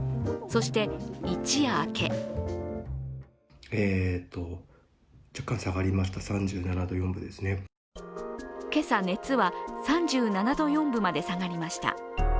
そして一夜明け今朝、熱は３７度４分まで下がりました。